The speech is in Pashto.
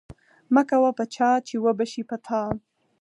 مکوه په چا چې وبه شي په تا.